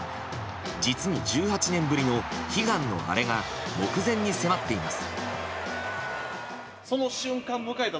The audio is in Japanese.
実に１８年ぶりの悲願のアレが目前に迫っています。